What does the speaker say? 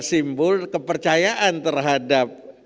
simbol kepercayaan terhadap